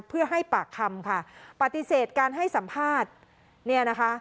เพื่อให้ปากคำค่ะปฏิเสธการให้สัมภาษณ์